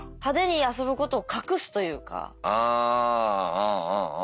うんうんうん。